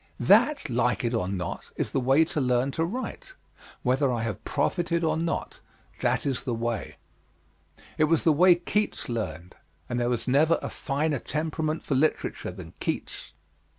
That, like it or not, is the way to learn to write; whether I have profited or not, that is the way. It was the way Keats learned, and there never was a finer temperament for literature than Keats'.